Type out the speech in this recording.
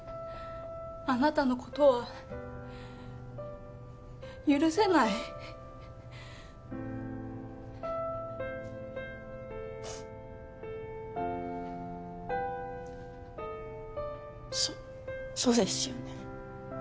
あなたのことは許せないそそうですよね